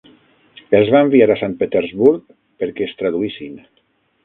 Els va enviar a Sant Petersburg perquè es traduïssin.